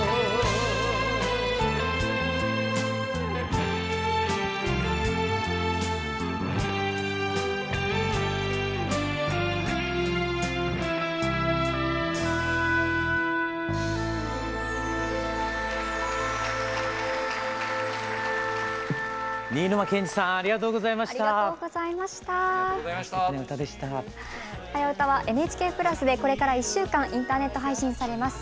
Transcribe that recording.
「はやウタ」はＮＨＫプラスでこれから１週間インターネット配信されます。